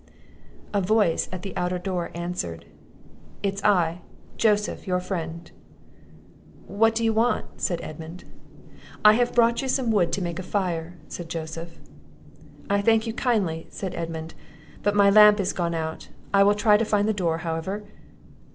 A voice at the outer door answered, "It's I; Joseph, your friend!" "What do you want?" said Edmund. "I have brought you some wood to make a fire," said Joseph. "I thank you kindly," said Edmund; "but my lamp is gone out; I will try to find the door, however."